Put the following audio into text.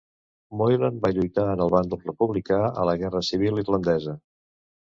Moylan va lluitar en el bàndol republicà a la guerra civil irlandesa.